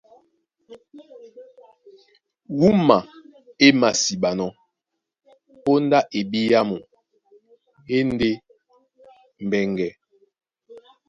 Wúma é māsiɓanɔ́ póndá ebyàmu e e ndé mbɛŋgɛ.